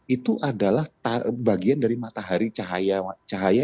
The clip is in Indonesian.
itu adalah bagian dari matahari cahaya